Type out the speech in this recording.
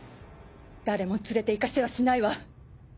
誰も連れて行かせはしないわ